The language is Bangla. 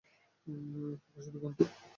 প্রকাশিত গ্রন্থ